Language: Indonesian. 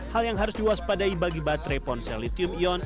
hal yang harus diwaspadai bagi baterai ponsel lithium ion